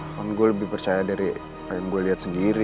kan gua lebih percaya dari yang gua liat sendiri